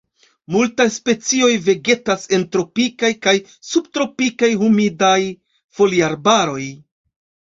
Multaj specioj vegetas en tropikaj kaj subtropikaj humidaj foliarbaroj.